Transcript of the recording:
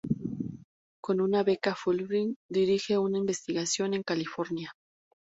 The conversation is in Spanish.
Con una beca Fulbright dirige una investigación en California.